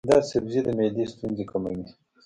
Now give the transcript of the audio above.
دا سبزی د معدې ستونزې کموي.